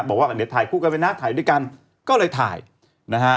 บอกว่าเดี๋ยวถ่ายคู่กันไปนะถ่ายด้วยกันก็เลยถ่ายนะฮะ